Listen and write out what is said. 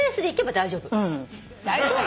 大丈夫。